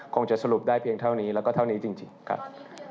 คงจะสรุปได้แค่ที่เท่านี้และเท่านี้จริง